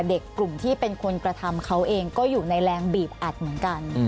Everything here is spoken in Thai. เด็กกลุ่มที่เป็นคนกระทำเขาเองก็อยู่ในแรงบีบอัดเหมือนกัน